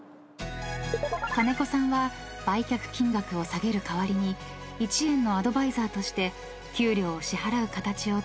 ［金子さんは売却金額を下げる代わりに一圓のアドバイザーとして給料を支払う形を提案］